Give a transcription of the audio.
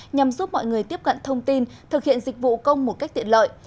nhằm giúp mọi người tiếp cận thông tin thực hiện dịch vụ công một cách tiện lợi